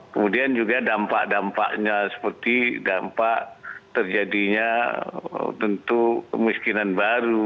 kemudian juga dampak dampaknya seperti dampak terjadinya tentu kemiskinan baru